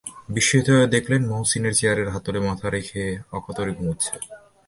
বিস্মিত হয়ে দেখলেন, মহসিন চেয়ারের হাতলে মাথা রেখে অকাতরে ঘুমুচ্ছে।